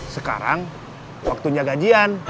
sekarang waktunya gajian